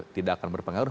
tidak akan berpengaruh